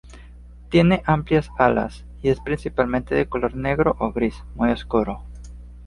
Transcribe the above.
Tiene amplias alas, y es principalmente de color negro o gris muy oscuro.